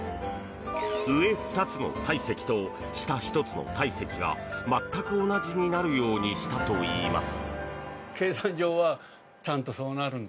上２つの体積と下１つの体積が全く同じになるようにしたといいます。